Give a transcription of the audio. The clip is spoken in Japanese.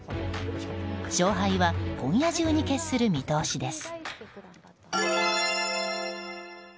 勝敗は今夜中に決する見通しです。